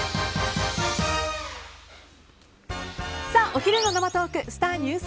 お昼の生トークスター☆